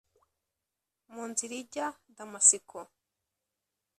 mu nzira ijya damasiko